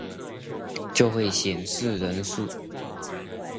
就會顯示人數